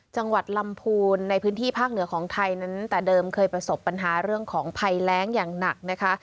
จังหวัดลำพูนในพื้นที่ภาคเหนือของไทยนั้นแต่เดิมเคยประสบปัญหาเรื่องของภัยแรงอย่างหนักนะคะ